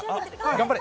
頑張れ！